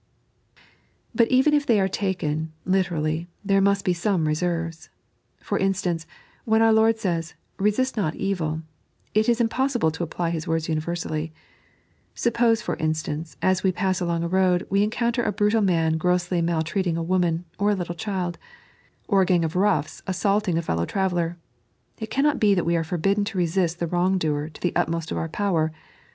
But even if they are taken literally there must be some reserves. For instance, when our Lord says, Se»i»t not evU, it is impossible to apply His words umversally. Sup pose, for instance, as we pass along a road, we encounter a brutal man grossly maltreating a woman or a little child, or a gang of roughs assaulting a fellow trnveller, it cannot be that we are forbidden to resist the wrong doer to the utmost of our power.